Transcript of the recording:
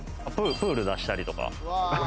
プール出したりとか。